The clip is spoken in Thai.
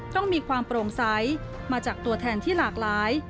มีความโปร่งใสมาจากตัวแทนที่หลากหลาย